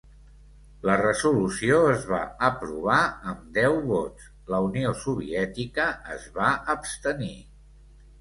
La resolució es va aprovar amb deu vots; la Unió Soviètica es va abstenir.